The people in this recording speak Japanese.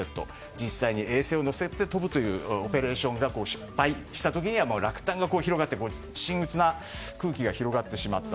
実際に衛星を載せて飛ぶオペレーションが失敗したときは落胆が広がって陰鬱な空気が広がった。